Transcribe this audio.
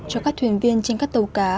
cho các thuyền viên trên các tàu cá